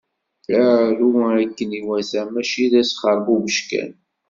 Aru akken iwata mačči d asxerbubec kan!